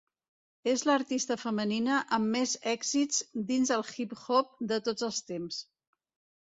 És l'artista femenina amb més èxits dins del hip-hop de tots els temps.